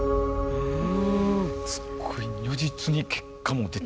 うん。